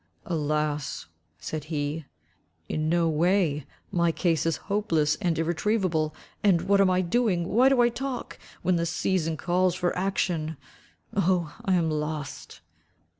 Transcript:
"Alas," said he, in no way. My case is hopeless and irretrievable. And what am I doing? Why do I talk, when the season calls for action? Oh, I am lost."